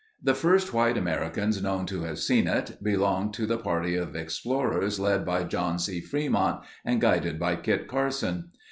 The first white Americans known to have seen it, belonged to the party of explorers led by John C. Fremont and guided by Kit Carson.